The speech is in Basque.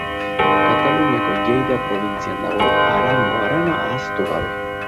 Kataluniako Lleida probintzian dagoen Arango harana ahaztu gabe.